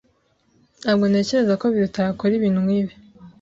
Ntabwo ntekereza ko Biruta yakora ibintu nkibi.